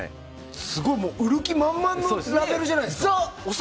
売る気満々のラベルじゃないですか。